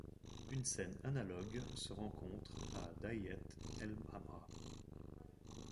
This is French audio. Une scène analogue se rencontre à Daïet el Hamra.